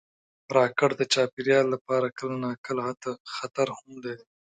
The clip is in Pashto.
راکټ د چاپېریال لپاره کله ناکله خطر هم لري